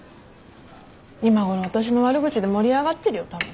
今ごろ私の悪口で盛り上がってるよたぶん。